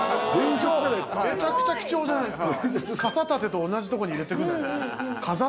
めちゃくちゃ貴重じゃないですか。